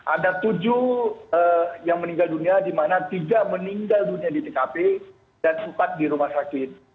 ada tujuh yang meninggal dunia di mana tiga meninggal dunia di tkp dan empat di rumah sakit